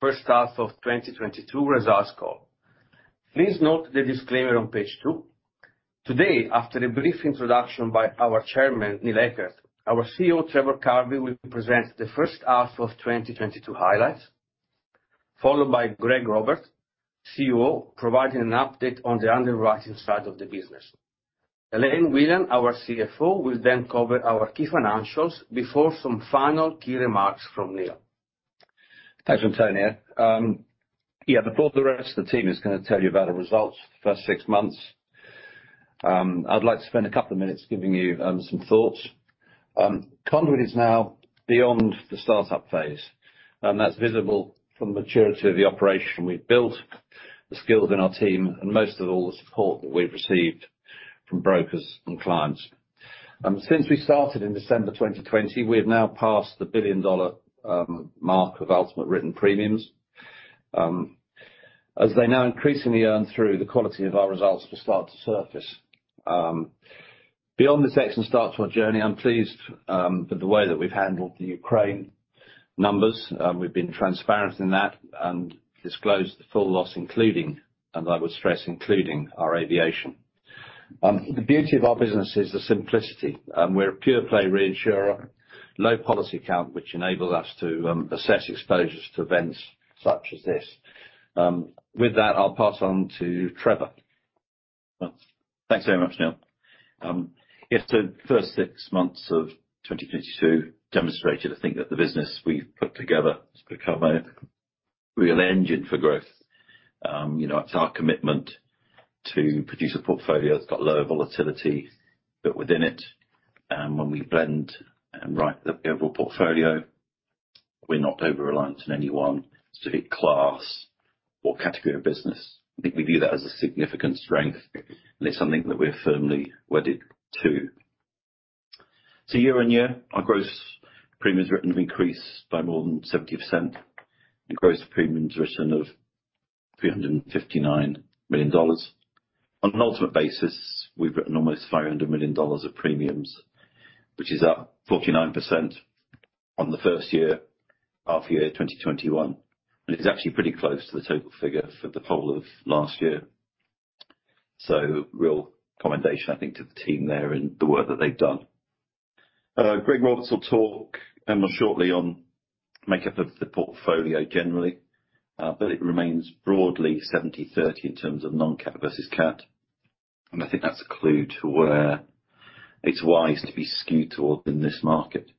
First Half of 2022 Results call. Please note the disclaimer on page two. Today, after a brief introduction by our Chairman, Neil Eckert, our CEO, Trevor Carvey, will present the first half of 2022 highlights. Followed by Greg Roberts, CUO, providing an update on the underwriting side of the business. Elaine Whelan, our CFO, will then cover our key financials before some final key remarks from Neil. Thanks, Antonio. Yeah, before the rest of the team is gonna tell you about the results for the first six months, I'd like to spend a couple of minutes giving you some thoughts. Conduit is now beyond the start-up phase, and that's visible from the maturity of the operation we've built, the skills in our team, and most of all, the support that we've received from brokers and clients. Since we started in December 2020, we have now passed the billion-dollar mark of ultimate written premiums. As they now increasingly earn through the quality of our results will start to surface. Beyond this excellent start to our journey, I'm pleased with the way that we've handled the Ukraine numbers. We've been transparent in that and disclosed the full loss, including, and I would stress, including our aviation. The beauty of our business is the simplicity. We're a pure play reinsurer, low policy count, which enables us to assess exposures to events such as this. With that, I'll pass on to Trevor. Thanks very much, Neil. Yes, the first six months of 2022 demonstrated, I think, that the business we've put together has become a real engine for growth. You know, it's our commitment to produce a portfolio that's got lower volatility, but within it, when we blend and write the overall portfolio, we're not over-reliant on any one specific class or category of business. I think we view that as a significant strength, and it's something that we're firmly wedded to. Year-on-year, our gross premiums written have increased by more than 70%. The gross premiums written of $359 million. On an ultimate basis, we've written almost $500 million of premiums, which is up 49% on the first half year 2021, and it's actually pretty close to the total figure for the whole of last year. Real commendation, I think, to the team there and the work that they've done. Greg Roberts will talk shortly on makeup of the portfolio generally, but it remains broadly 70/30 in terms of non-cat versus cat. I think that's a clue to where it's wise to be skewed towards in this market.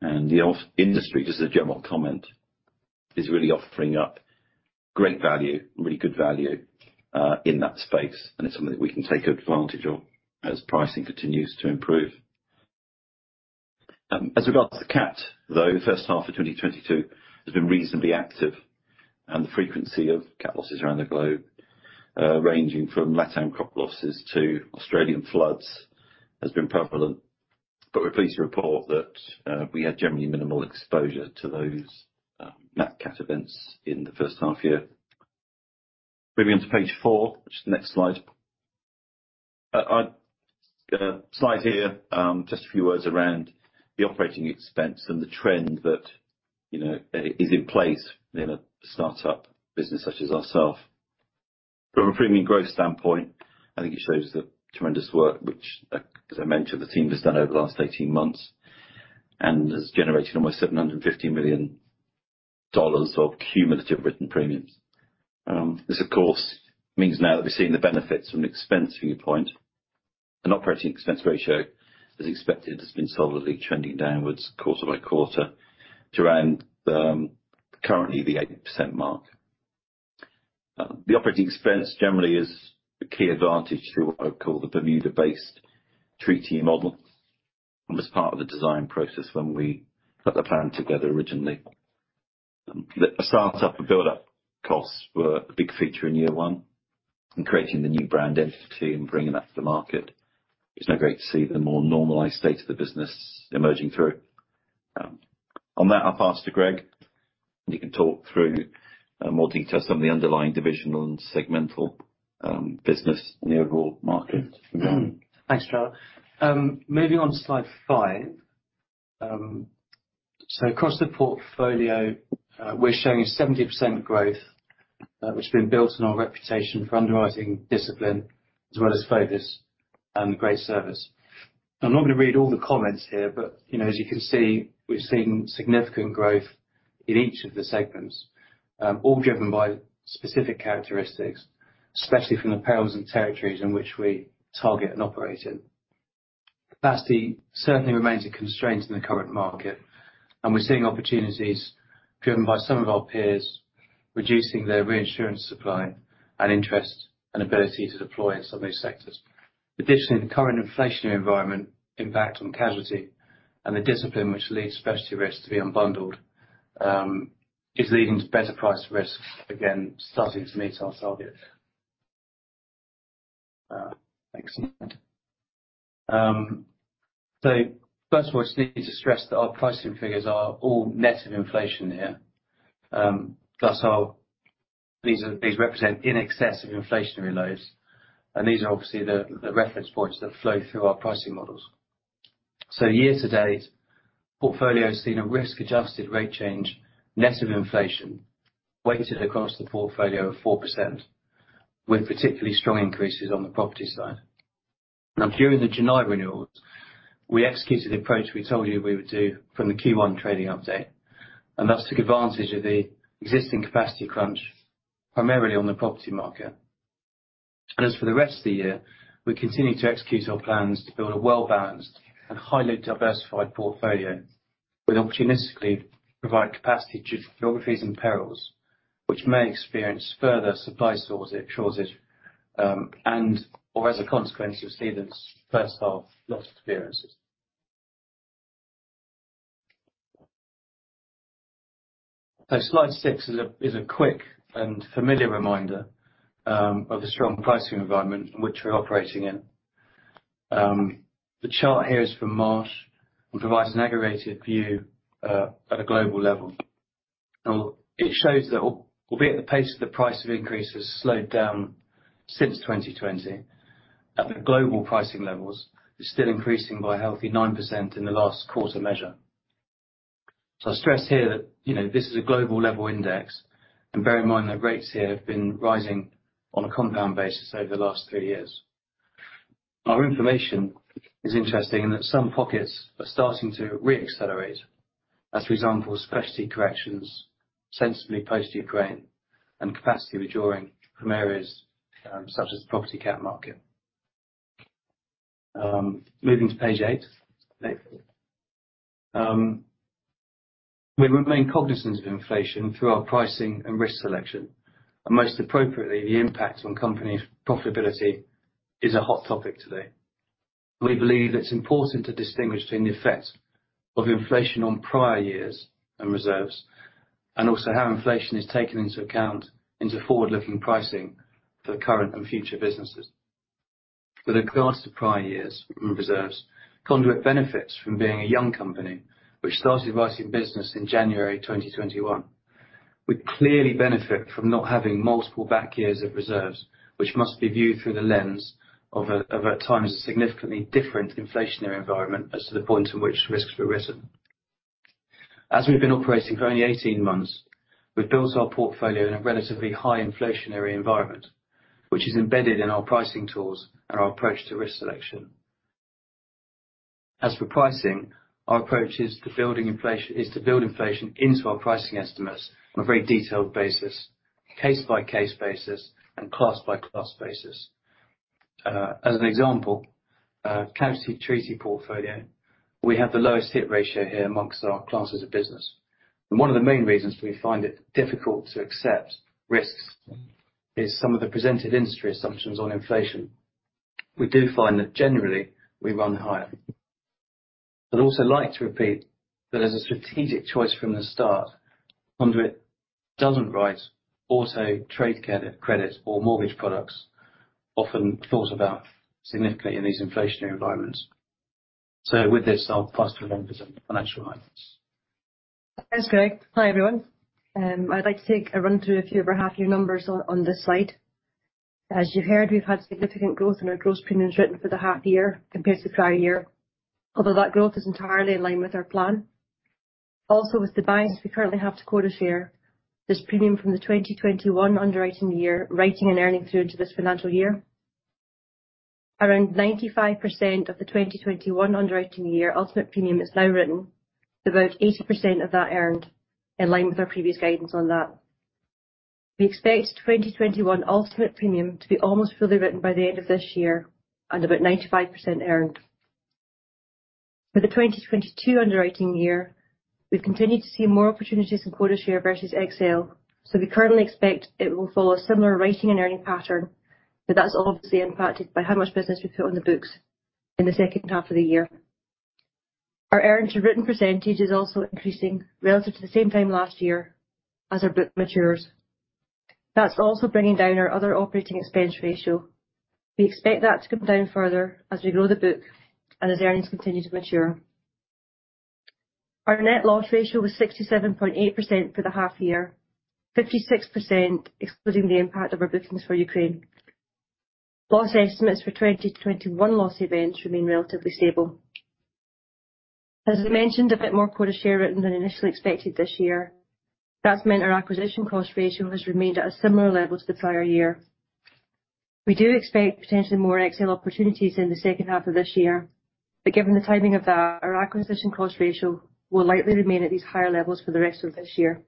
The health industry, just a general comment, is really offering up great value and really good value in that space, and it's something that we can take advantage of as pricing continues to improve. As regards to cat, though, first half of 2022 has been reasonably active. The frequency of cat losses around the globe, ranging from LatAm crop losses to Australian floods, has been prevalent. We're pleased to report that we had generally minimal exposure to those non-cat events in the first half year. Moving on to page four, which is the next slide. On slide here, just a few words around the operating expense and the trend that, you know, is in place in a start-up business such as ourselves. From a premium growth standpoint, I think it shows the tremendous work, which, as I mentioned, the team has done over the last 18 months and has generated almost $750 million of cumulative written premiums. This of course means now that we're seeing the benefits from an expense viewpoint. An operating expense ratio, as expected, has been solidly trending downwards quarter by quarter to around, currently the 8% mark. The operating expense generally is a key advantage to what I call the Bermuda-based treaty model, and was part of the design process when we put the plan together originally. The start-up and build-up costs were a big feature in year one and creating the new brand entity and bringing that to the market. It's now great to see the more normalized state of the business emerging through. On that, I'll pass to Greg, and he can talk through more details on the underlying divisional and segmental business and the overall market. Mm-hmm. Thanks, Trevor. Moving on to slide five. Across the portfolio, we're showing a 70% growth, which has been built on our reputation for underwriting discipline as well as focus and great service. I'm not gonna read all the comments here, but you know, as you can see, we've seen significant growth in each of the segments, all driven by specific characteristics, especially from the perils and territories in which we target and operate in. Capacity certainly remains a constraint in the current market, and we're seeing opportunities driven by some of our peers, reducing their reinsurance supply and interest and ability to deploy in some of these sectors. Additionally, the current inflationary environment impact on casualty and the discipline which leads specialty risk to be unbundled, is leading to better priced risk, again, starting to meet our targets. Next slide. First of all, just need to stress that our pricing figures are all net of inflation here. These represent in excess of inflationary loads, and these are obviously the reference points that flow through our pricing models. Year to date, portfolio has seen a risk-adjusted rate change, net of inflation, weighted across the portfolio of 4%, with particularly strong increases on the property side. Now during the January renewals, we executed the approach we told you we would do from the Q1 trading update, and that's took advantage of the existing capacity crunch, primarily on the property market. As for the rest of the year, we're continuing to execute our plans to build a well-balanced and highly diversified portfolio. We'll opportunistically provide capacity to geographies and perils which may experience further supply shortage, and or as a consequence of seeing this first half loss experiences. Slide six is a quick and familiar reminder of the strong pricing environment in which we're operating in. The chart here is from Marsh and provides an aggregated view at a global level. It shows that albeit the pace of price increases slowed down since 2020, at the global pricing levels, it's still increasing by a healthy 9% in the last quarter measure. I stress here that, you know, this is a global level index, and bear in mind that rates here have been rising on a compound basis over the last three years. Our information is interesting in that some pockets are starting to re-accelerate. As for example, specialty catastrophe, especially post Ukraine, and capacity withdrawing from areas such as the property cat market. Moving to page eight. We remain cognizant of inflation through our pricing and risk selection, and most appropriately, the impact on company profitability is a hot topic today. We believe it's important to distinguish between the effect of inflation on prior years and reserves, and also how inflation is taken into account into forward-looking pricing for current and future businesses. With regards to prior years and reserves, Conduit benefits from being a young company which started writing business in January 2021. We clearly benefit from not having multiple back years of reserves, which must be viewed through the lens of a, of at times, a significantly different inflationary environment as to the point in which risks were written. As we've been operating for only 18 months, we've built our portfolio in a relatively high inflationary environment, which is embedded in our pricing tools and our approach to risk selection. As for pricing, our approach is to build inflation into our pricing estimates on a very detailed basis, case-by-case basis, and class-by-class basis. As an example, our capacity treaty portfolio, we have the lowest hit ratio here amongst our classes of business. One of the main reasons we find it difficult to accept risks is some of the presented industry assumptions on inflation. We do find that generally, we run higher. I'd also like to repeat that as a strategic choice from the start, Conduit doesn't write auto, trade credit or mortgage products often thought about significantly in these inflationary environments. With this, I'll pass to Elaine to run through the financial highlights. Thanks, Greg. Hi, everyone. I'd like to take a run through a few of our half year numbers on this slide. As you heard, we've had significant growth in our gross premiums written for the half year compared to prior year, although that growth is entirely in line with our plan. Also, with the bias we currently have to quota share, there's premium from the 2021 underwriting year writing and earning through to this financial year. Around 95% of the 2021 underwriting year ultimate premium is now written, with about 80% of that earned in line with our previous guidance on that. We expect 2021 ultimate premium to be almost fully written by the end of this year and about 95% earned. For the 2022 underwriting year, we've continued to see more opportunities in quota share versus excess, so we currently expect it will follow a similar writing and earning pattern, but that's obviously impacted by how much business we put on the books in the second half of the year. Our earned to written percentage is also increasing relative to the same time last year as our book matures. That's also bringing down our other operating expense ratio. We expect that to come down further as we grow the book and as earnings continue to mature. Our net loss ratio was 67.8% for the half year, 56% excluding the impact of our bookings for Ukraine. Loss estimates for 2020-2021 loss events remain relatively stable. As we mentioned, a bit more quota share written than initially expected this year. That's meant our acquisition cost ratio has remained at a similar level to the prior year. We do expect potentially more XoL opportunities in the second half of this year, but given the timing of that, our acquisition cost ratio will likely remain at these higher levels for the rest of this year.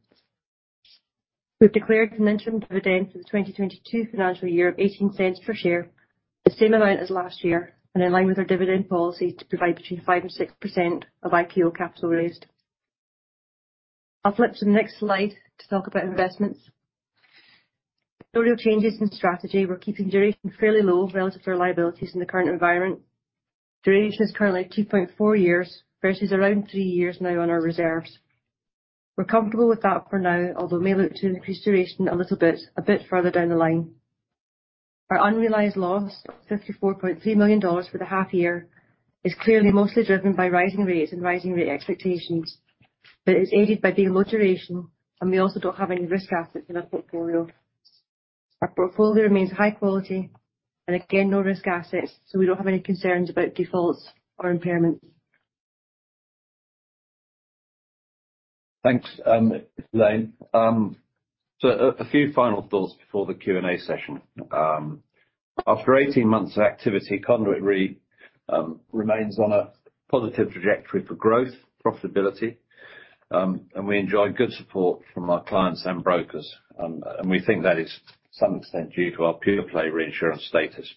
We've declared an interim dividend for the 2022 financial year of $0.18 per share, the same amount as last year, and in line with our dividend policy to provide between 5% and 6% of IPO capital raised. I'll flip to the next slide to talk about investments. No real changes in strategy. We're keeping duration fairly low relative to our liabilities in the current environment. Duration is currently 2.4 years versus around three years now on our reserves. We're comfortable with that for now, although may look to increase duration a little bit, a bit further down the line. Our unrealized loss, $54.3 million for the half year, is clearly mostly driven by rising rates and rising rate expectations. It's aided by being low duration, and we also don't have any risk assets in our portfolio. Our portfolio remains high quality and again, no risk assets, so we don't have any concerns about defaults or impairments. Thanks, Elaine. A few final thoughts before the Q&A session. After 18 months of activity, Conduit Re remains on a positive trajectory for growth, profitability, and we enjoy good support from our clients and brokers. We think that is to some extent due to our pure play reinsurance status.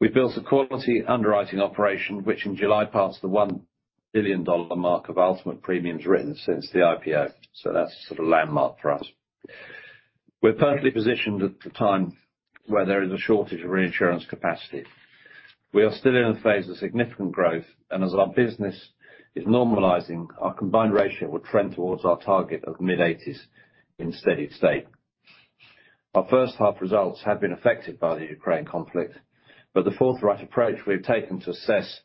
We've built a quality underwriting operation, which in July passed the $1 billion mark of ultimate premiums written since the IPO. That's sort of a landmark for us. We're perfectly positioned at the time where there is a shortage of reinsurance capacity. We are still in a phase of significant growth, and as our business is normalizing, our combined ratio will trend towards our target of mid-80s in steady-state. Our first half results have been affected by the Ukraine conflict, but the forthright approach we've taken to assess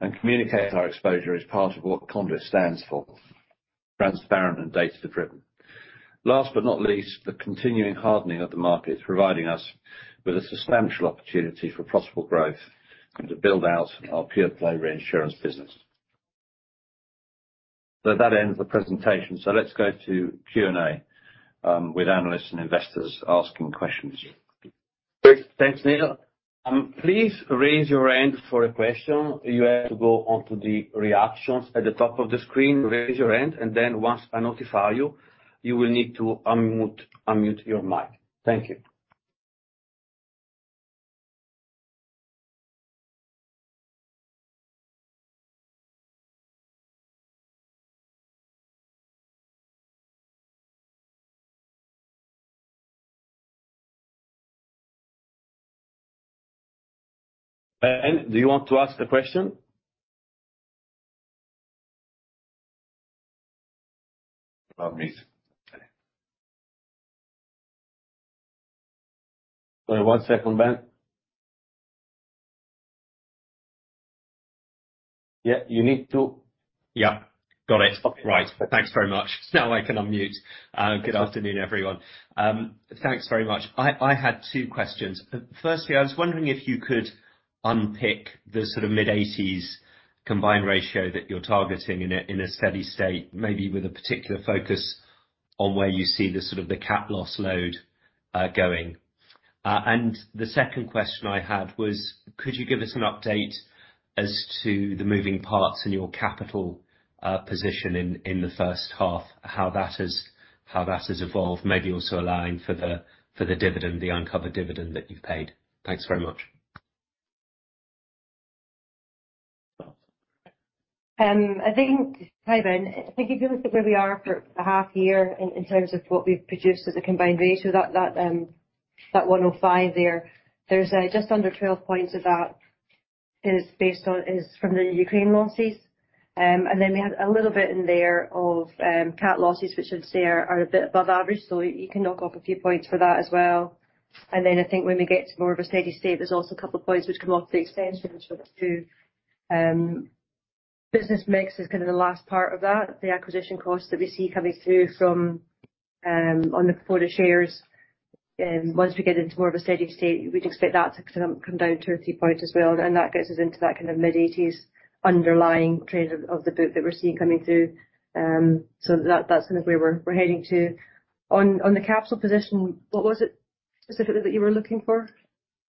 and communicate our exposure is part of what Conduit stands for, transparent and data-driven. Last but not least, the continuing hardening of the market is providing us with a substantial opportunity for profitable growth and to build out our pure play reinsurance business. That ends the presentation. Let's go to Q&A, with analysts and investors asking questions. Thanks, Neil. Please raise your hand for a question. You have to go onto the reactions at the top of the screen, raise your hand, and then once I notify you will need to unmute your mic. Thank you. Do you want to ask a question? No worries. Wait one second, Ben. Yeah, you need to- Yeah. Got it. Okay. Right. Thanks very much. Now I can unmute. Good afternoon, everyone. Thanks very much. I had two questions. Firstly I was wondering if you could unpick the sort of mid-80s combined ratio that you're targeting in a steady state, maybe with a particular focus on where you see the sort of cat loss load going. The second question I had was, could you give us an update as to the moving parts in your capital position in the first half, how that has evolved, maybe also allowing for the dividend, the uncovered dividend that you've paid. Thanks very much. I think, hi, Ben. I think if you look at where we are for the half year in terms of what we've produced as a combined ratio, that 105 there's just under 12 points of that is from the Ukraine losses. We have a little bit in there of cat losses, which I'd say are a bit above average, so you can knock off a few points for that as well. I think when we get to more of a steady state, there's also a couple of points which come off the extension sort of through business mix is kind of the last part of that. The acquisition cost that we see coming through from on the portfolio shares, once we get into more of a steady state, we'd expect that to come down two or three points as well. That gets us into that kind of mid-80s underlying trend of the book that we're seeing coming through. That's kind of where we're heading to. On the capital position, what was it specifically that you were looking for?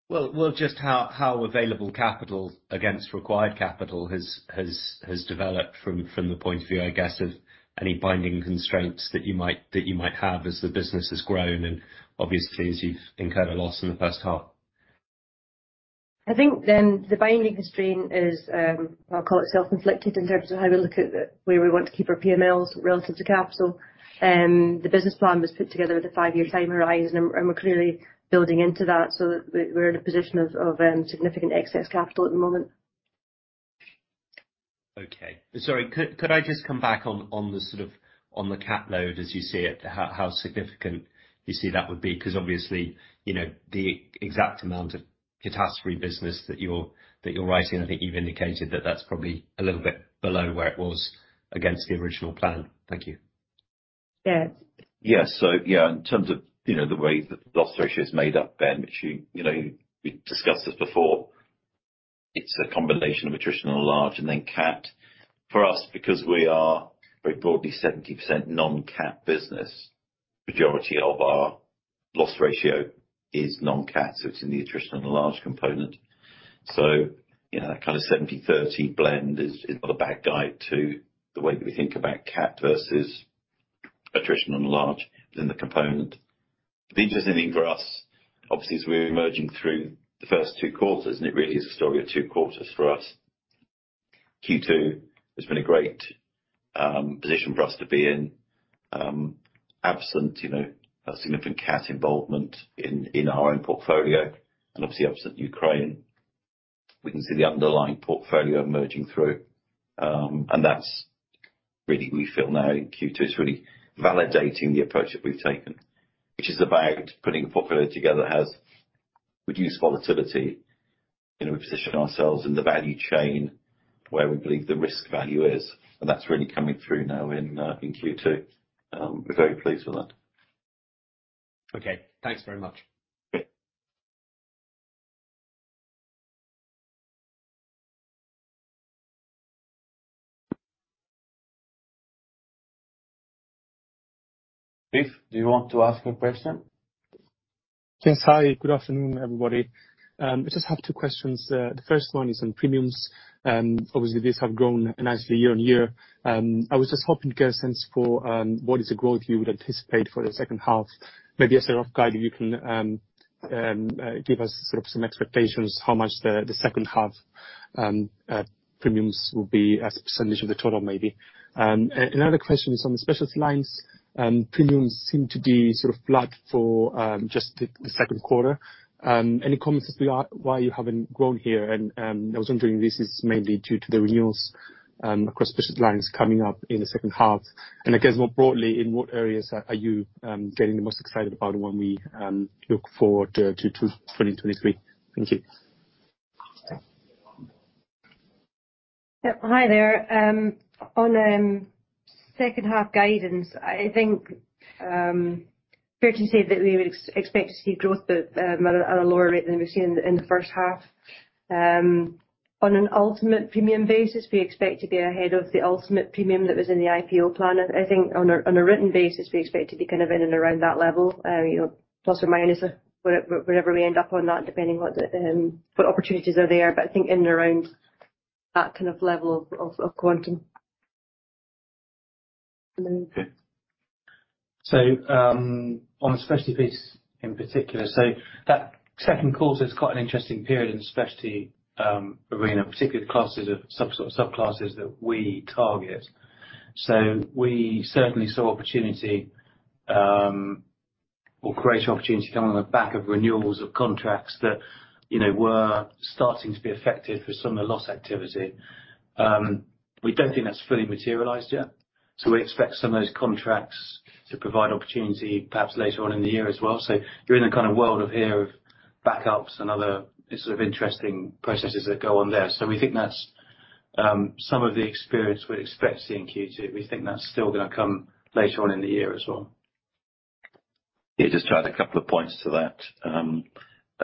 Well, just how available capital against required capital has developed from the point of view, I guess, of any binding constraints that you might have as the business has grown and obviously as you've incurred a loss in the first half? I think, the binding constraint is, I'll call it self-inflicted in terms of how we look at where we want to keep our PMLs relative to capital. The business plan was put together with a five-year time horizon, and we're clearly building into that so that we're in a position of significant excess capital at the moment. Okay. Sorry, could I just come back on the sort of cat load as you see it, how significant you see that would be? 'Cause obviously, you know, the exact amount of catastrophe business that you're writing, I think you've indicated that that's probably a little bit below where it was against the original plan. Thank you. Yeah. In terms of, you know, the way that the loss ratio is made up, Ben, which you know, we've discussed this before. It's a combination of attrition and large and then cat. For us, because we are very broadly 70% non-cat business, majority of our loss ratio is non-cat. It's in the attrition and the large component. You know, that kind of 70/30 blend is not a bad guide to the way that we think about cat versus attrition and large within the component. The interesting thing for us obviously is we're emerging through the first two quarters, and it really is a story of two quarters for us. Q2 has been a great position for us to be in, absent, you know, a significant cat involvement in our own portfolio and obviously absent Ukraine. We can see the underlying portfolio emerging through. That's really, we feel, now in Q2. It's really validating the approach that we've taken, which is about putting a portfolio together that has reduced volatility. You know, we position ourselves in the value chain where we believe the risk value is, and that's really coming through now in Q2. We're very pleased with that. Okay. Thanks very much. Yeah. Steve, do you want to ask a question? Yes. Hi. Good afternoon, everybody. I just have two questions. The first one is on premiums. Obviously these have grown nicely year-on-year. I was just hoping to get a sense for what is the growth you would anticipate for the second half. Maybe as a rough guide you can give us sort of some expectations how much the second half premiums will be as a percentage of the total, maybe. Another question is on the specialist lines. Premiums seem to be sort of flat for just the second quarter. Any comments as to why you haven't grown here? I was wondering if this is mainly due to the renewals across specialist lines coming up in the second half. I guess more broadly, in what areas are you getting the most excited about when we look forward to 2023? Thank you. Yeah. Hi there. On second half guidance, I think fair to say that we would expect to see growth at a lower rate than we've seen in the first half. On an ultimate premium basis, we expect to be ahead of the ultimate premium that was in the IPO plan. I think on a written basis, we expect to be kind of in and around that level, you know, plus or minus whatever, wherever we end up on that, depending what the what opportunities are there. I think in and around that kind of level of quantum. Okay. On the specialty piece in particular, that second quarter is quite an interesting period in the specialty arena, particularly the classes of subclasses that we target. We certainly saw opportunity, or greater opportunity coming on the back of renewals of contracts that, you know, were starting to be effective for some of the loss activity. We don't think that's fully materialized yet, so we expect some of those contracts to provide opportunity perhaps later on in the year as well. You're in a kind of world of here of backups and other sort of interesting processes that go on there. We think that's some of the experience we'd expect to see in Q2. We think that's still gonna come later on in the year as well. Yeah, just to add a couple of points to that.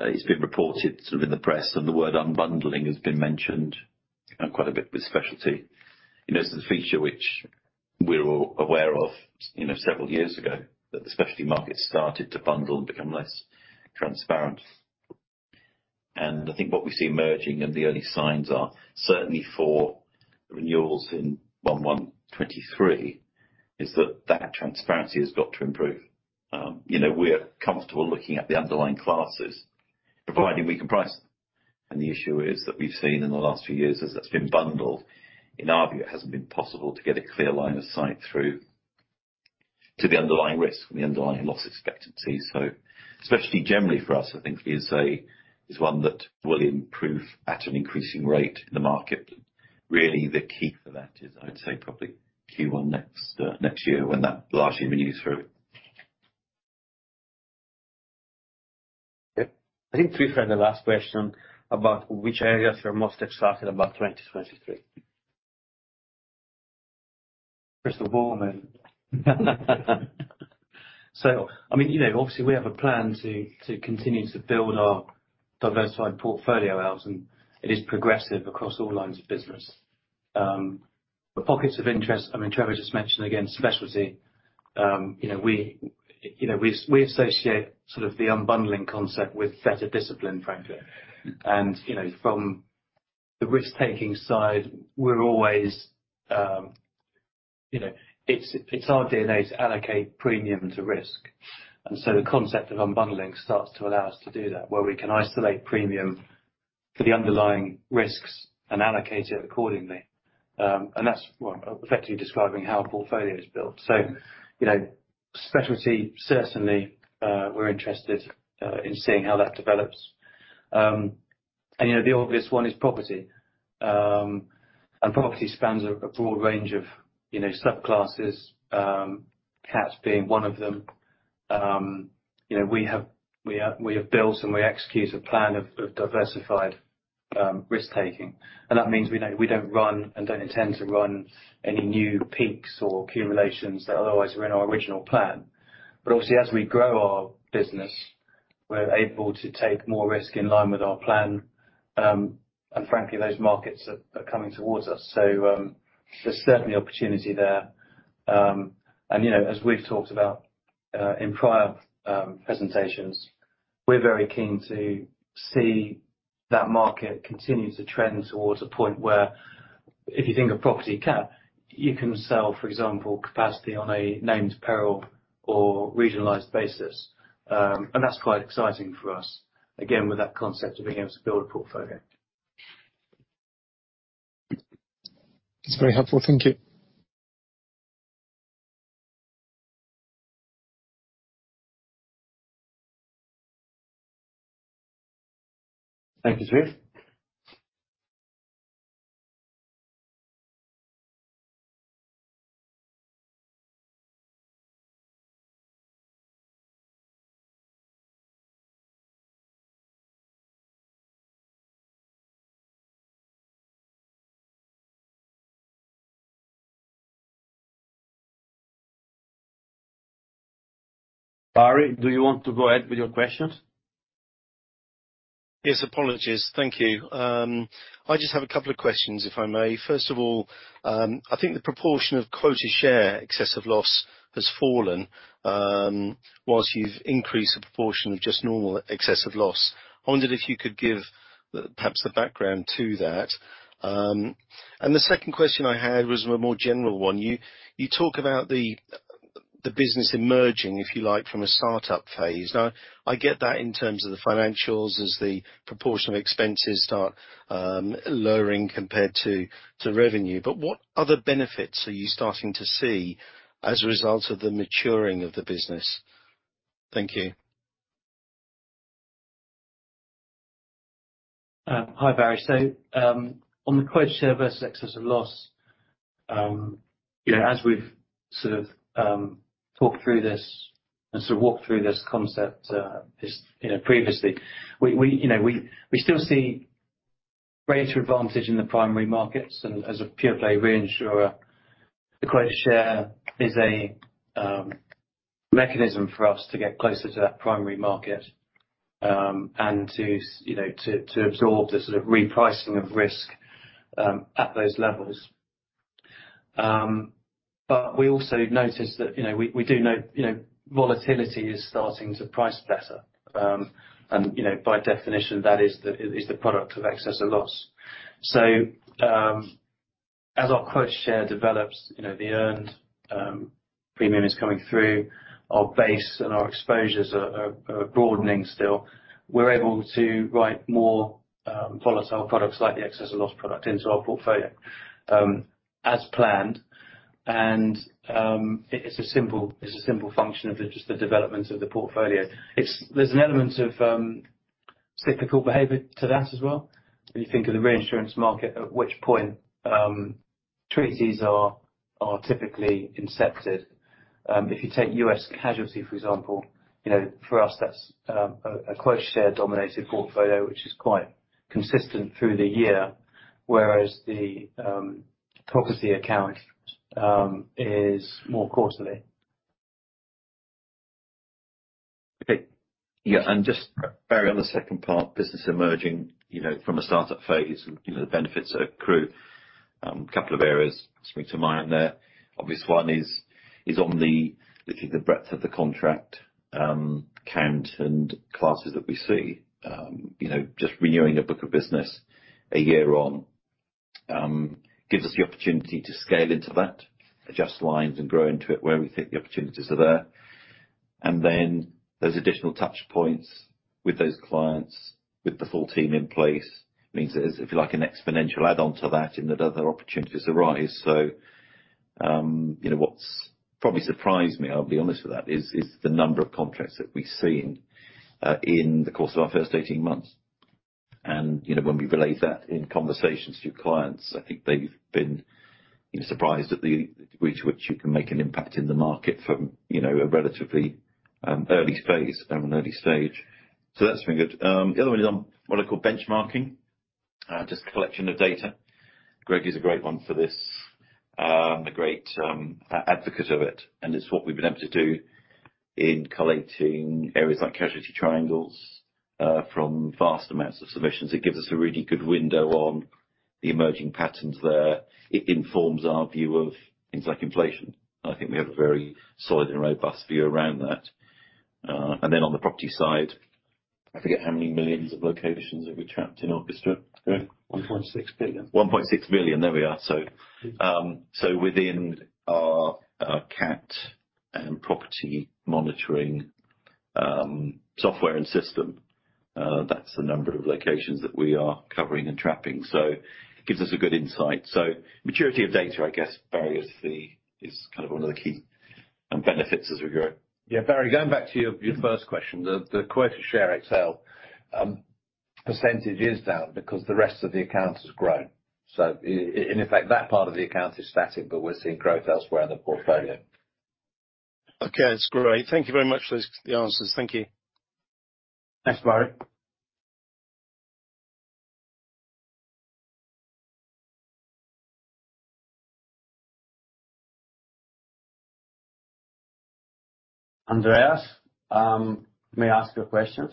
It's been reported sort of in the press and the word unbundling has been mentioned quite a bit with specialty. You know, this is a feature which we're all aware of, you know, several years ago, that the specialty market started to bundle and become less transparent. I think what we see emerging, and the early signs are certainly for renewals in 1/1/2023, is that that transparency has got to improve. You know, we're comfortable looking at the underlying classes, providing we can price them. The issue is that we've seen in the last few years as that's been bundled, in our view, it hasn't been possible to get a clear line of sight through to the underlying risk and the underlying loss expectancy. Specialty generally for us, I think we say is one that will improve at an increasing rate in the market. Really, the key for that is I'd say probably Q1 next year when that largely renews through. Yeah. I think we've had the last question about which areas you're most excited about 2023. Crystal ball moment. I mean, you know, obviously we have a plan to continue to build our diversified portfolio out, and it is progressive across all lines of business. Pockets of interest, I mean, Trevor just mentioned again specialty. You know, we associate sort of the unbundling concept with better discipline, frankly. You know, from the risk-taking side, we're always. It's our DNA to allocate premium to risk. The concept of unbundling starts to allow us to do that, where we can isolate premium to the underlying risks and allocate it accordingly. That's what effectively describing how a portfolio is built. You know, specialty certainly, we're interested in seeing how that develops. You know, the obvious one is property. Property spans a broad range of, you know, subclasses, cats being one of them. You know, we have built and we execute a plan of diversified risk-taking. That means we don't run and don't intend to run any new peaks or accumulations that otherwise were in our original plan. Obviously as we grow our business, we're able to take more risk in line with our plan. Frankly those markets are coming towards us. There's certainly opportunity there. You know, as we've talked about in prior presentations, we're very keen to see that market continue to trend towards a point where if you think of property cat, you can sell, for example, capacity on a named peril or regionalized basis. That's quite exciting for us, again, with that concept of being able to build a portfolio. That's very helpful. Thank you. Thank you, Steve. Barry, do you want to go ahead with your questions? Yes. Apologies. Thank you. I just have a couple of questions, if I may. First of all, I think the proportion of quota share excess of loss has fallen, while you've increased the proportion of just normal excess of loss. I wondered if you could give the, perhaps, the background to that. The second question I had was a more general one. You talk about the business emerging, if you like, from a startup phase. Now, I get that in terms of the financials as the proportion of expenses start lowering compared to revenue. What other benefits are you starting to see as a result of the maturing of the business? Thank you. Hi, Barry. On the quota share versus excess of loss, you know, as we've sort of talked through this and sort of walked through this concept, you know, previously, we still see greater advantage in the primary markets, and as a pure play reinsurer, the quota share is a mechanism for us to get closer to that primary market, and to absorb the sort of repricing of risk at those levels. We also noticed that, you know, we do know, you know, volatility is starting to price better. You know, by definition, that is the product of excess of loss. As our quota share develops, you know, the earned premium is coming through our base, and our exposures are broadening still. We're able to write more volatile products like the excess of loss product into our portfolio, as planned. It's a simple function of just the development of the portfolio. There's an element of cyclical behavior to that as well, when you think of the reinsurance market, at which point treaties are typically incepted. If you take U.S. casualty, for example, you know, for us, that's a quota share dominated portfolio which is quite consistent through the year, whereas the property account is more quarterly. Okay. Yeah. Just, Barry, on the second part, business emerging, you know, from a startup phase, you know, the benefits accrue. A couple of areas spring to mind there. Obvious one is on the literally the breadth of the contract count and classes that we see. You know, just renewing a book of business a year on gives us the opportunity to scale into that, adjust lines, and grow into it where we think the opportunities are there. There's additional touch points with those clients, with the full team in place. It means there's, if you like, an exponential add on to that in that other opportunities arise. You know, what's probably surprised me, I'll be honest with that, is the number of contracts that we've seen in the course of our first 18 months. You know, when we relate that in conversations to clients, I think they've been surprised at the degree to which you can make an impact in the market from, you know, a relatively early phase, an early stage. That's been good. The other one is on what I call benchmarking. Just collection of data. Greg is a great one for this. A great advocate of it, and it's what we've been able to do in collating areas like casualty triangles from vast amounts of submissions. It gives us a really good window on the emerging patterns there. It informs our view of things like inflation. I think we have a very solid and robust view around that. On the property side, I forget how many millions of locations have we trapped in Orchestra. Greg? 1.6 billion. 1.6 billion. There we are. Within our cat and property monitoring software and system, that's the number of locations that we are covering and tracking. It gives us a good insight. Maturity of data, I guess, Barry, is kind of one of the key benefits as we grow. Yeah. Barry, going back to your first question. The quota share XoL percentage is down because the rest of the account has grown. In effect, that part of the account is static, but we're seeing growth elsewhere in the portfolio. Okay. That's great. Thank you very much for the answers. Thank you. Thanks, Barry. Andreas, may I ask you a question?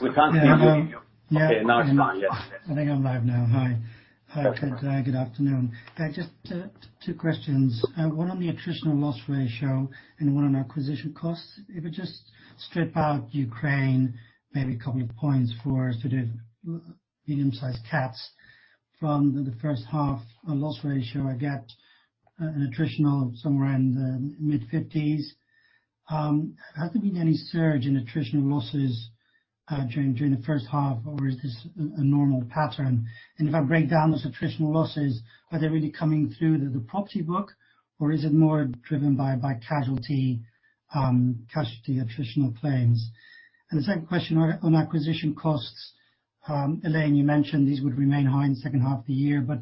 We can't hear you. Yeah. Okay, now it's gone. Yes. I think I'm live now. Hi. Hi, good afternoon. Just two questions. One on the attritional loss ratio and one on acquisition costs. If you just strip out Ukraine, maybe a couple of points for sort of medium-sized cats from the first half loss ratio, I get an attritional somewhere in the mid-50s. Has there been any surge in attritional losses during the first half, or is this a normal pattern? If I break down those attritional losses, are they really coming through the property book, or is it more driven by casualty attritional claims? The second question on acquisition costs. Elaine, you mentioned these would remain high in the second half of the year, but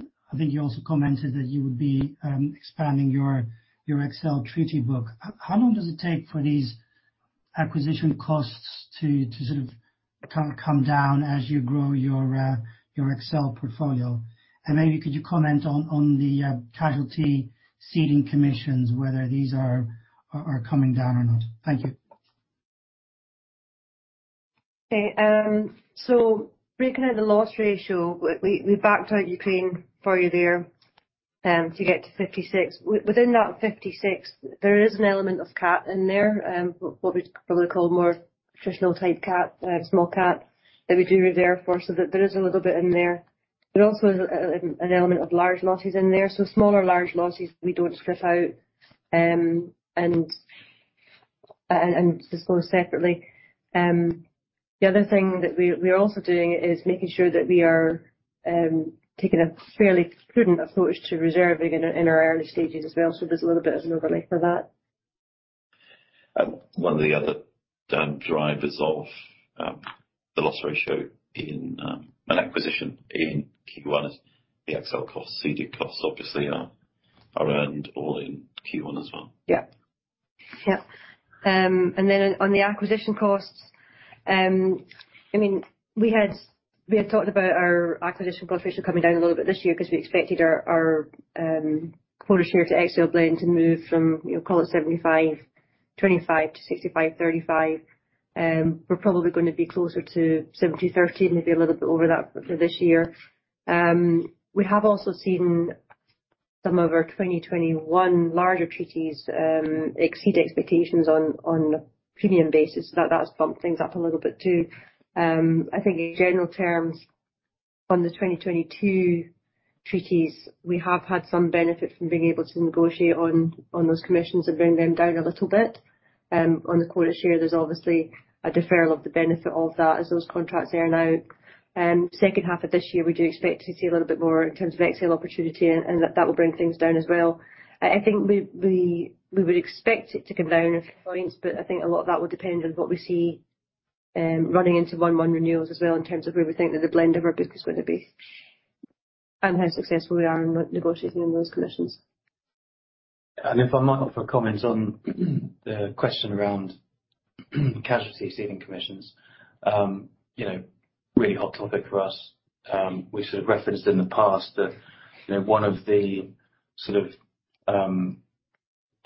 I think you also commented that you would be expanding your XoL treaty book. How long does it take for these acquisition costs to sort of come down as you grow your XoL portfolio? Maybe could you comment on the casualty ceding commissions, whether these are coming down or not? Thank you. Okay. Breaking out the loss ratio, we backed out Ukraine for you there to get to 56%. Within that 56%, there is an element of cat in there, what we'd probably call more traditional type cat, small cat that we do reserve for, so that there is a little bit in there. But also, an element of large losses in there. Small or large losses, we don't strip out and disclose separately. The other thing that we are also doing is making sure that we are taking a fairly prudent approach to reserving in our early stages as well. There's a little bit of an overlay for that. One of the other down drivers of the loss ratio in an acquisition in Q1 is the XoL cost. Ceding costs obviously are earned all in Q1 as well. Yeah. On the acquisition costs, I mean, we had talked about our acquisition cost ratio coming down a little bit this year 'cause we expected our quota share to XoL blend to move from, you know, call it 75/25 to 65/35. We're probably gonna be closer to 70/30 and maybe a little bit over that for this year. We have also seen some of our 2021 larger treaties exceed expectations on a premium basis. That's bumped things up a little bit, too. I think in general terms on the 2022 treaties, we have had some benefit from being able to negotiate on those commissions and bring them down a little bit. On the quota share, there's obviously a deferral of the benefit of that as those contracts earn out. Second half of this year, we do expect to see a little bit more in terms of XoL opportunity, and that will bring things down as well. I think we would expect it to come down a few points, but I think a lot of that will depend on what we see running into 1/1 renewals as well in terms of where we think that the blend of our business is gonna be and how successful we are in negotiating those commissions. If I might offer comments on the question around casualty ceding commissions. You know, really hot topic for us. We sort of referenced in the past that, you know, one of the sort of,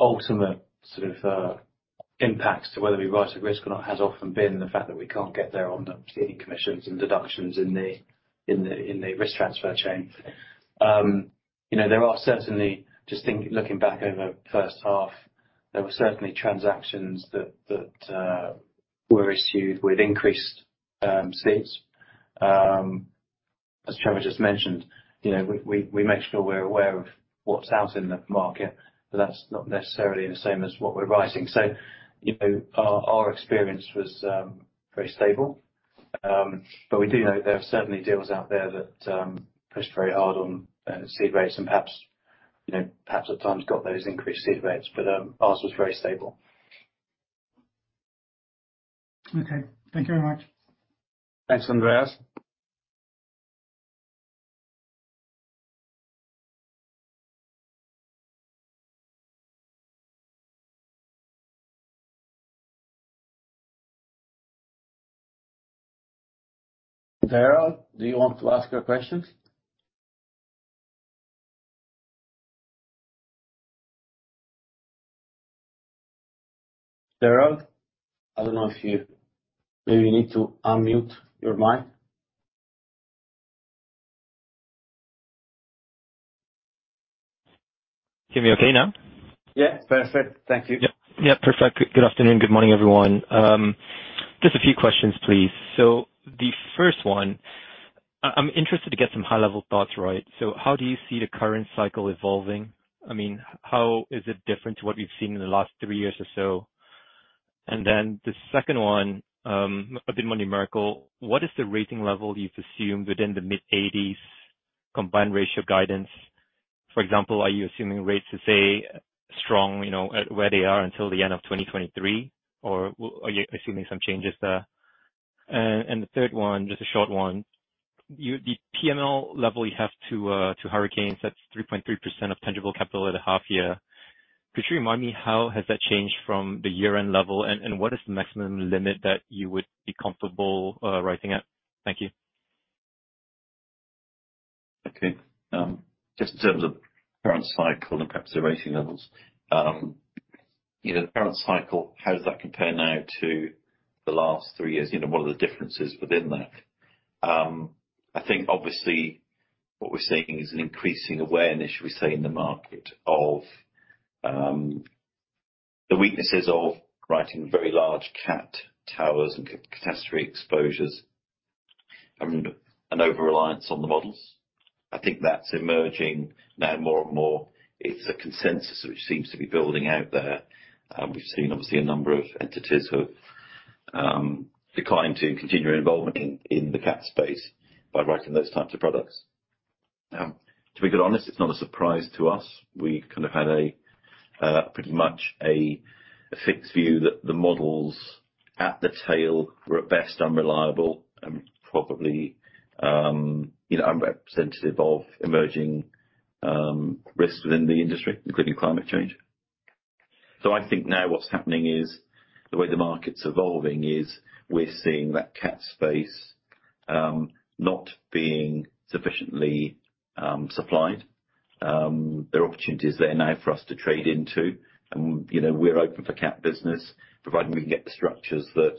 ultimate sort of, impacts to whether we write a risk or not has often been the fact that we can't get there on the ceding commissions and deductions in the risk transfer chain. You know, there were certainly transactions that were issued with increased cedes. As Trevor just mentioned, you know, we make sure we're aware of what's out in the market, but that's not necessarily the same as what we're writing. You know, our experience was very stable. We do know there are certainly deals out there that pushed very hard on cede rates and perhaps, you know, perhaps at times got those increased cede rates, but ours was very stable. Okay. Thank you very much. Thanks, Andreas. Gerald, do you want to ask your questions? Gerald, maybe you need to unmute your mic. Can you hear me okay now? Yeah. Perfect. Thank you. Yep, yeah. Perfect. Good afternoon. Good morning, everyone. Just a few questions, please. The first one, I'm interested to get some high-level thoughts right. How do you see the current cycle evolving? I mean, how is it different to what we've seen in the last three years or so? Then the second one, a bit more numerical. What is the rating level you've assumed within the mid-80s combined ratio guidance? For example, are you assuming rates to stay strong, you know, at where they are until the end of 2023, or are you assuming some changes there? The third one, just a short one. The PML level you have to hurricanes, that's 3.3% of tangible capital at the half year. Could you remind me how has that changed from the year-end level and what is the maximum limit that you would be comfortable writing at? Thank you. Okay. Just in terms of current cycle and perhaps the rating levels. You know, the current cycle, how does that compare now to the last three years? You know, what are the differences within that? I think obviously what we're seeing is an increasing awareness, shall we say, in the market of the weaknesses of writing very large cat towers and catastrophe exposures and an over-reliance on the models. I think that's emerging now more and more. It's a consensus which seems to be building out there. We've seen obviously a number of entities who have declined to continue involvement in the cat space by writing those types of products. Now, to be honest, it's not a surprise to us. We kind of had a pretty much a fixed view that the models at the tail were at best unreliable and probably, you know, unrepresentative of emerging risks within the industry, including climate change. I think now what's happening is the way the market's evolving is we're seeing that cat space not being sufficiently supplied. There are opportunities there now for us to trade into. You know, we're open for cat business, provided we can get the structures that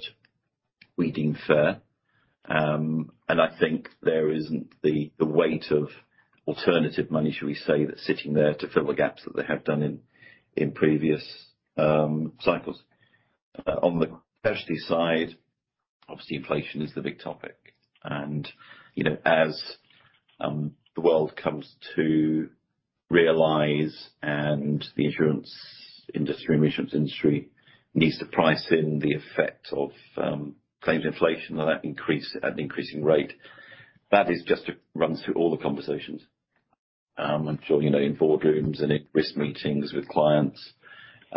we deem fair. I think there isn't the weight of alternative money, should we say, that's sitting there to fill the gaps that they have done in previous cycles. On the casualty side, obviously, inflation is the big topic. You know, as the world comes to realize, and the insurance industry, reinsurance industry needs to price in the effect of claims inflation at that increase, at an increasing rate. That is just it runs through all the conversations. I'm sure you know, in boardrooms and in risk meetings with clients,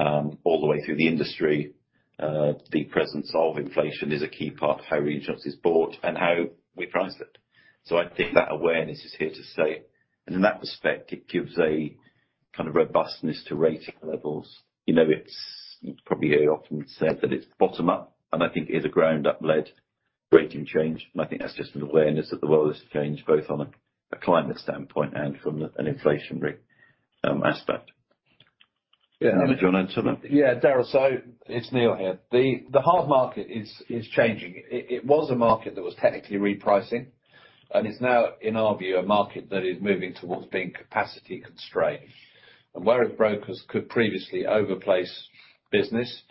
all the way through the industry, the presence of inflation is a key part of how reinsurance is bought and how we price it. I think that awareness is here to stay. In that respect, it gives a kind of robustness to rating levels. You know, it's probably often said that it's bottom-up, and I think it is a ground-up led rating change. I think that's just an awareness that the world has changed both on a climate standpoint and from an inflationary aspect. Neil, do you want to add to that? Yeah, Gerald, it's Neil here. The hard market is changing. It was a market that was technically repricing, and it's now, in our view, a market that is moving towards being capacity constrained. Where brokers could previously overplace business,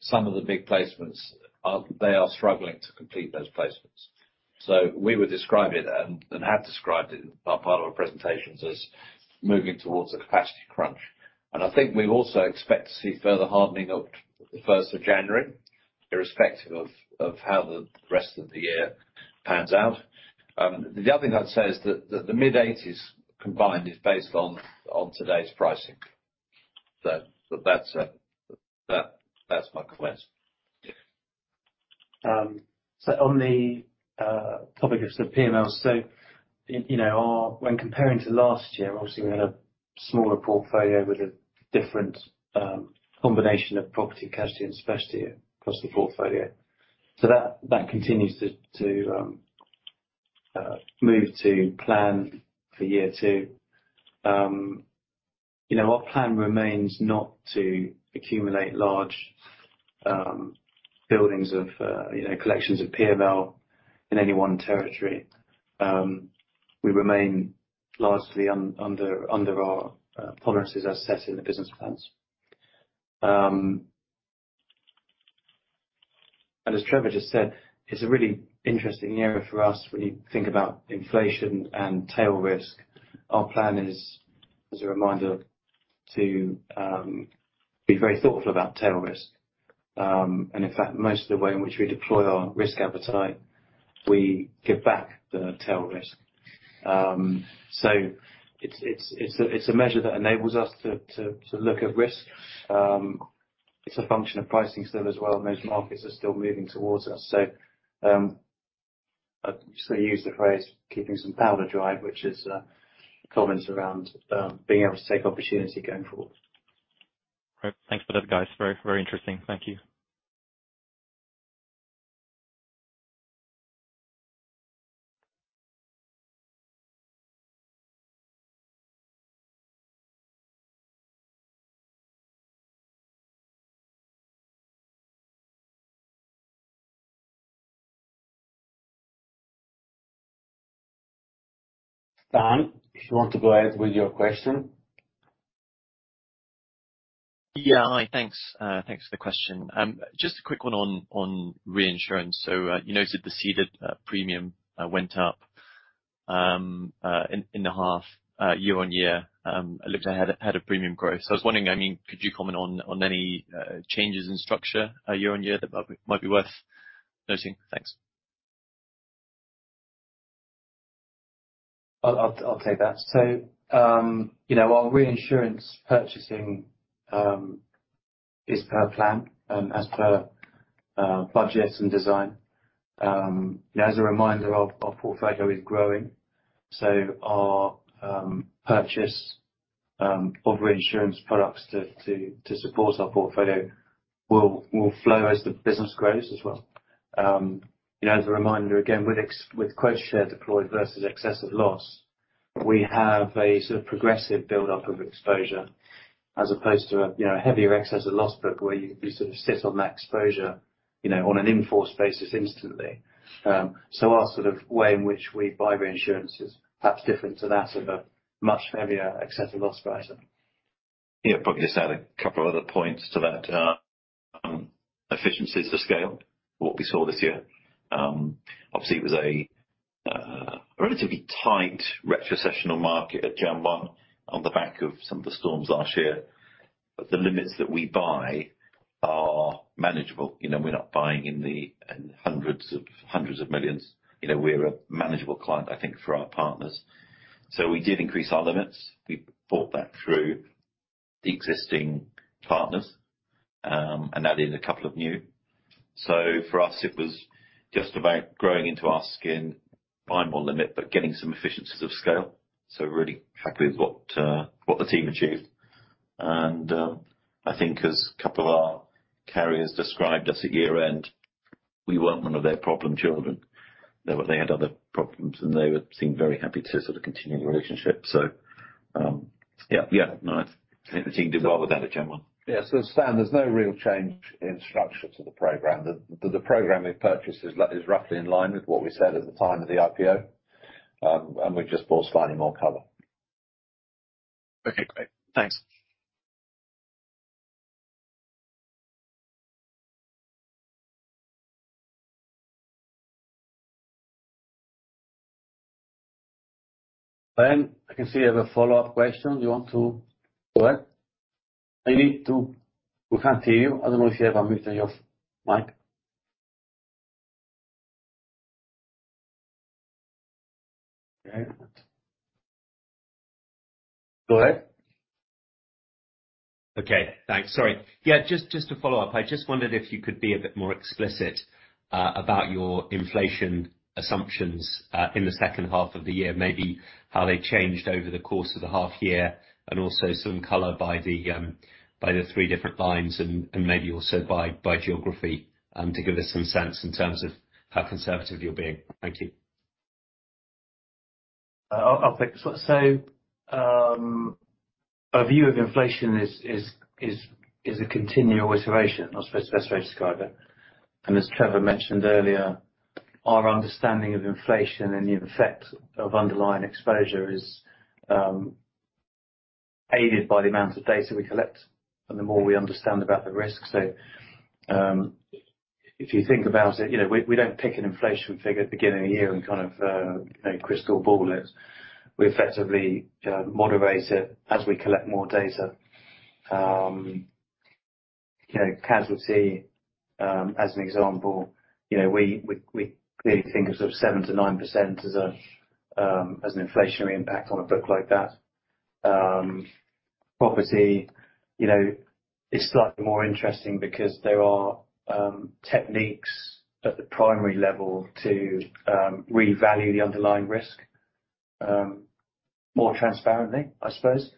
some of the big placements are, they are struggling to complete those placements. We would describe it and have described it as part of our presentations as moving towards a capacity crunch. I think we also expect to see further hardening of the first of January, irrespective of how the rest of the year pans out. The other thing I'd say is that the mid-80s combined is based on today's pricing. That's my comment. On the topic of the PML. You know, when comparing to last year, obviously we had a smaller portfolio with a different combination of property, casualty, and specialty across the portfolio. That continues to move to plan for year two. You know, our plan remains not to accumulate large build-ups of you know, collections of PML in any one territory. We remain largely under our tolerances as set in the business plans. As Trevor just said, it's a really interesting area for us when you think about inflation and tail risk. Our plan is, as a reminder, to be very thoughtful about tail risk. In fact, most of the way in which we deploy our risk appetite, we give back the tail risk. It's a measure that enables us to look at risk. It's a function of pricing still as well, and those markets are still moving towards us. I'd still use the phrase keeping some powder dry, which is comments around being able to take opportunity going forward. Great. Thanks for that, guys. Very, very interesting. Thank you. Stan, if you want to go ahead with your question. Yeah. Hi, thanks. Thanks for the question. Just a quick one on reinsurance. You noted the ceded premium went up in the half-year year-on-year. It looked to have had a premium growth. I was wondering, I mean, could you comment on any changes in structure year-on-year that might be worth noting? Thanks. I'll take that. You know, our reinsurance purchasing is per plan, as per budgets and design. As a reminder, our portfolio is growing, so our purchase of reinsurance products to support our portfolio will flow as the business grows as well. You know, as a reminder, again, with quota share deployed versus excess of loss, we have a sort of progressive buildup of exposure as opposed to a you know, heavier excess of loss book where you sort of sit on that exposure, you know, on an in-force basis instantly. Our sort of way in which we buy reinsurance is perhaps different to that of a much heavier excess of loss writer. Yeah. Probably just add a couple other points to that. Economies of scale, what we saw this year. Obviously it was a relatively tight retrocessional market at January 1 on the back of some of the storms last year. The limits that we buy are manageable. You know, we're not buying in the hundreds of millions. You know, we're a manageable client, I think, for our partners. We did increase our limits. We bought that through the existing partners and added a couple of new. For us, it was just about growing into our skin by more limit, but getting some economies of scale. Really happy with what the team achieved. I think as a couple of our carriers described us at year-end, we weren't one of their problem children. They had other problems, and they seemed very happy to sort of continue the relationship. Yeah. Yeah, no, I think the team did well with that in general. Yes. Stan, there's no real change in structure to the program. The program we purchased is roughly in line with what we said at the time of the IPO, and we've just bought slightly more cover. Okay, great. Thanks. Ben, I can see you have a follow-up question. Do you want to go ahead? We can't hear you. I don't know if you have a mute on your mic. Okay. Go ahead. Okay. Thanks. Sorry. Yeah, just to follow up. I just wondered if you could be a bit more explicit about your inflation assumptions in the second half of the year, maybe how they changed over the course of the half year and also some color by the three different lines and maybe also by geography to give us some sense in terms of how conservative you're being. Thank you. I'll take it. Our view of inflation is a continual iteration, I suppose the best way to describe it. As Trevor mentioned earlier, our understanding of inflation and the effect of underlying exposure is aided by the amount of data we collect and the more we understand about the risk. If you think about it, you know, we don't pick an inflation figure at the beginning of the year and kind of, you know, crystal ball it. We effectively moderate it as we collect more data. You know, casualty, as an example, you know, we clearly think of sort of 7%-9% as an inflationary impact on a book like that. Property, you know, is slightly more interesting because there are techniques at the primary level to revalue the underlying risk more transparently, I suppose.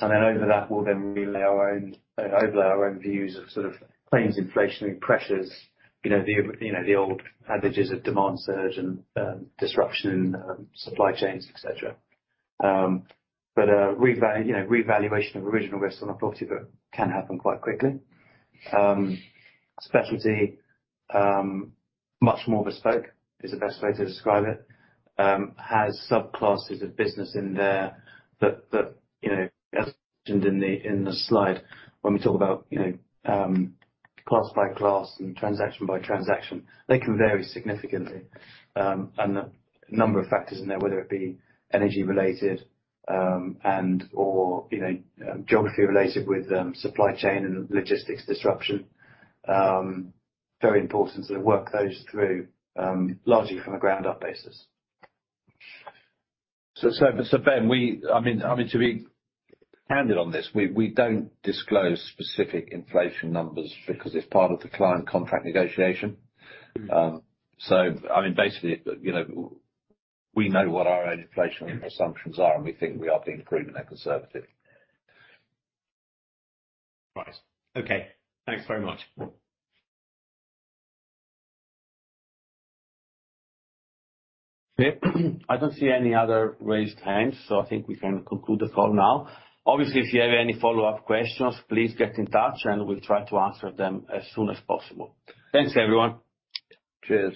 Then over that, we'll overlay our own views of sort of claims inflationary pressures, you know, the, you know, the old adages of demand surge and disruption, supply chains, et cetera. A revaluation of original risk on a property book can happen quite quickly. Specialty, much more bespoke is the best way to describe it. Has subclasses of business in there that, you know, as mentioned in the slide when we talk about, you know, class by class and transaction by transaction. They can vary significantly, and a number of factors in there, whether it be energy-related, and/or, you know, geography-related with, supply chain and logistics disruption. Very important to work those through, largely from a ground-up basis. Ben, I mean to be candid on this, we don't disclose specific inflation numbers because it's part of the client contract negotiation. I mean, basically, you know, we know what our own inflation assumptions are, and we think we are being prudent and conservative. Right. Okay. Thanks very much. Yeah. I don't see any other raised hands, so I think we can conclude the call now. Obviously, if you have any follow-up questions, please get in touch and we'll try to answer them as soon as possible. Thanks, everyone. Cheers.